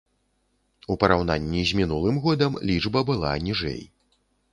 У параўнанні з мінулым годам лічба была ніжэй.